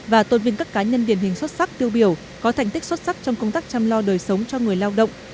và tôn vinh các cá nhân điển hình xuất sắc tiêu biểu có thành tích xuất sắc trong công tác chăm lo đời sống cho người lao động